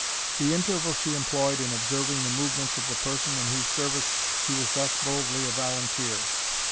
The interval she employed in observing the movements of the person in whose service she was thus boldly a volunteer.